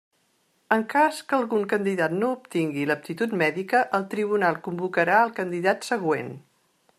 En cas que algun candidat no obtingui l'aptitud mèdica, el tribunal convocarà al candidat següent.